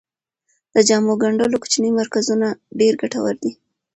د جامو ګنډلو کوچني مرکزونه ډیر ګټور دي.